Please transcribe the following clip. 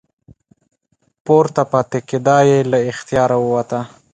پورته پاتې کیدا یې له اختیاره ووته.